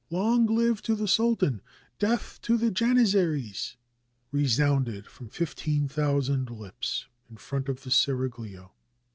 "Long life to the sultan! Death to the Janizaries!" resounded from fifteen thousand lips in front of the seraglio.